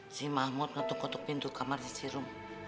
si mahmud ngetuk ngotuk pintu kamar si rum